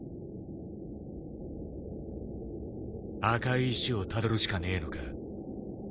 赤い石をたどるしかねえのか？